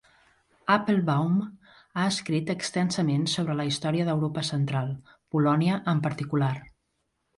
Applebaum ha escrit extensament sobre la història d'Europa Central, Polònia en particular.